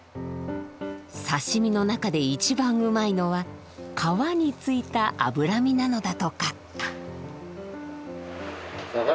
刺身の中で一番うまいのは皮についた脂身なのだとか。